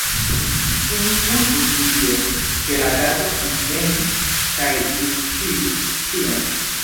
Ĉu mi kulpus pri tio, ke la kato envenis kaj disŝiris ĉion?